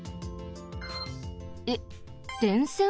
えっ電線？